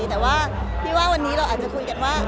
แต่ว่าพี่ว่าวันนี้เราอาจจะคุยกันว่า